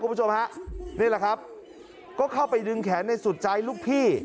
คุณผู้ชมฮะนี่แหละครับก็เข้าไปดึงแขนในสุดใจลูกพี่